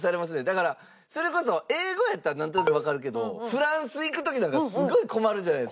だからそれこそ英語やったらなんとなくわかるけどフランス行く時なんかすごい困るじゃないですか。